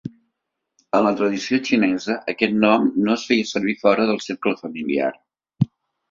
En la tradició xinesa, aquest nom no es feia servir fora del cercle familiar.